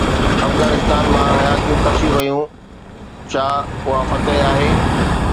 افغانستان مان حياتيون کسي ويون، ڇا اها فتح آهي؟